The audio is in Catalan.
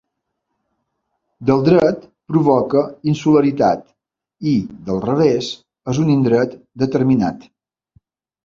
Del dret provoca insularitat i del revés és en un indret determinat.